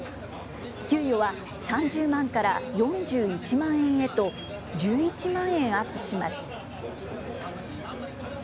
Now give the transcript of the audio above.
給与は３０万から４１万円へと、１１万円アップします。